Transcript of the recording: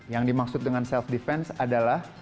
yang dimaksud dengan self defense adalah